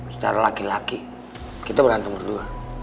secara laki laki kita berantem berdua